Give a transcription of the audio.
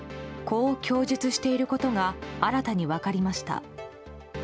こう供述していることが新たに分かりました。